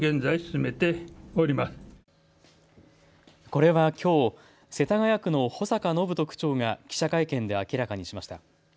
これはきょう、世田谷区の保坂展人区長が記者会見で明らかにしました。